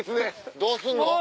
どうすんの？